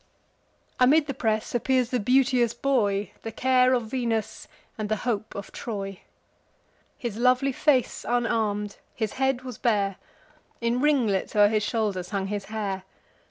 Amid the press appears the beauteous boy, The care of Venus, and the hope of Troy. His lovely face unarm'd, his head was bare; In ringlets o'er his shoulders hung his hair.